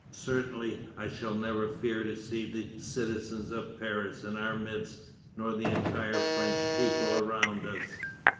Certainly, I shall never fear to see the citizens of Paris in our midst, nor the entire French people around us.